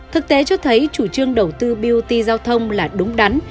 thực tế cho thấy chủ trương đầu tư bot giao thông là đúng đắn